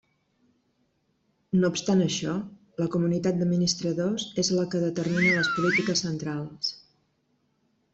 No obstant això, la comunitat d'administradors és la que determina les polítiques centrals.